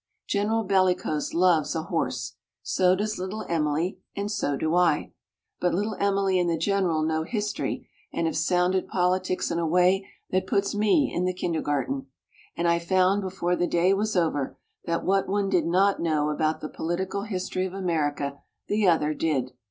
General Bellicose loves a horse; so does Little Emily and so do I. But Little Emily and the General know history and have sounded politics in a way that puts me in the kindergarten; and I found before the day was over that what one did not know about the political history of America the other did.